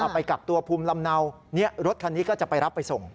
ไปกักตัวภูมิลำเนารถคันนี้ก็จะไปรับไปส่ง